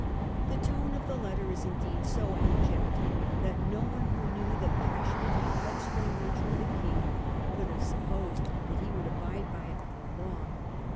The tone of the letter is indeed so abject that no one who knew the passionate, headstrong nature of the king could have supposed that he would abide by it for long.